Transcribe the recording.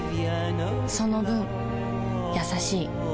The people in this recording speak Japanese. その分優しい